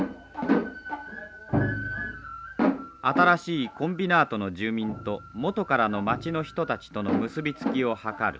新しいコンビナートの住民ともとからの町の人たちとの結び付きを図る。